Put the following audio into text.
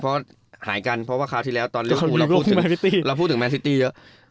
พอหายกันเพราะพวกเราพูดเม้อสิทธิเยอะ